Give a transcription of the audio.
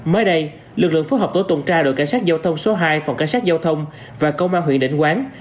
mới đây lực lượng phối hợp tổ tuần tra đội cảnh sát giao thông số hai phòng cảnh sát giao thông và công an huyện định quán